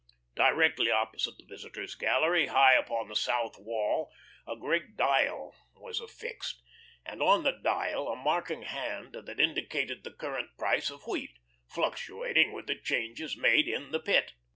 Directly opposite the visitors' gallery, high upon the south wall a great dial was affixed, and on the dial a marking hand that indicated the current price of wheat, fluctuating with the changes made in the Pit.